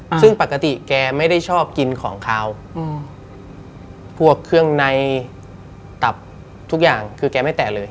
ซึ่งปกติแกไม่ได้ชอบกินของขาวอืมพวกเครื่องในตับทุกอย่างคือแกไม่แตะเลย